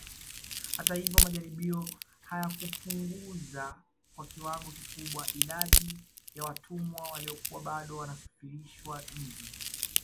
Hata hivyo majaribio hayakupunguza kwa kiwango kikubwa idadi ya watumwa waliokuwa bado wanasafirishwa nje